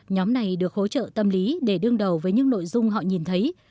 nhóm này được hỗ trợ tâm lý để đương đầu với những nội dung họ nhìn thấy